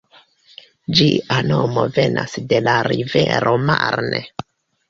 Ĝia nomo venas de la rivero Marne.